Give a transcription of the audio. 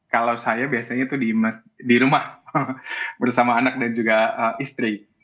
kalau saya biasanya itu di rumah bersama anak dan juga istri